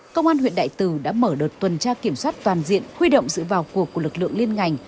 công an huyện đại từ đã mở đợt tuần tra kiểm soát toàn diện huy động sự vào cuộc của lực lượng liên ngành